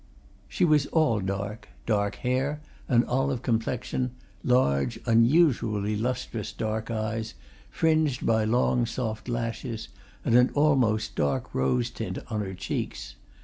She was all dark dark hair, an olive complexion, large, unusually lustrous dark eyes, fringed by long soft lashes, an almost dark rose tint on her cheeks.